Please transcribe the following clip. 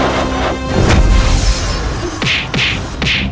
semoga bisa jahat